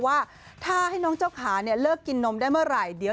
ว่าถ้าให้น้องเจ้าขาเลิกกินนมได้เมื่อไหร่